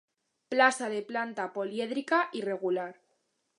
Plaça de planta polièdrica irregular.